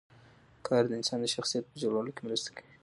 کار د انسان د شخصیت په جوړولو کې مرسته کوي